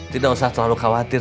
tidak usah terlalu khawatir